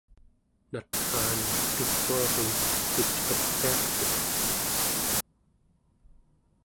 nat'raan teguari elucqapiartut